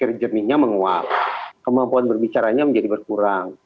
kemampuan berpikir jernihnya menguap kemampuan berbicaranya menjadi berkurang